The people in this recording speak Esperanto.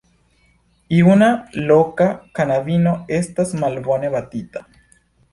Juna loka knabino estas malbone batita.